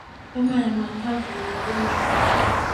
Homa ya mapafu ni ugonjwa